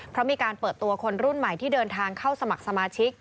เพราะมีการเปิดตัวคนรุ่นใหม่ที่เดินทางเข้าสมัครสมาชิก